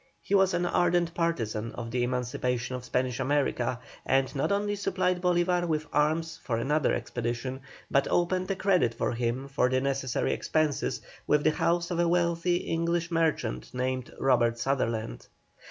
He was an ardent partisan of the emancipation of Spanish America, and not only supplied Bolívar with arms for another expedition, but opened a credit for him for the necessary expenses with the house of a wealthy English merchant named Robert Sutherland.